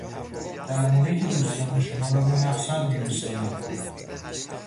در محیطی دوستانه شما را به مقصد می رسانم.